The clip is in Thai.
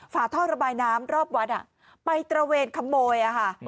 ฝาท่อระบายน้ำรอบวัดไปตระเวนขโมยค่ะ